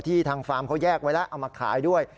ทางฟาร์มเขาแยกไว้แล้วเอามาขายด้วย